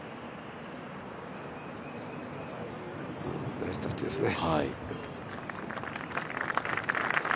ナイスタッチですね。